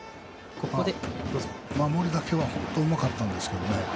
守りだけは本当にうまかったんですけどね